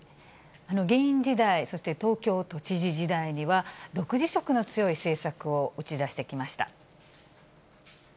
議員時代、そして東京都知事時代には独自色の強い政策を打ち出してきました。